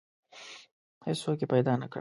هیڅوک یې پیدا نه کړ.